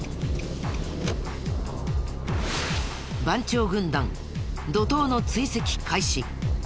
番長軍団怒涛の追跡開始。